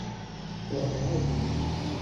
Córrer el termini.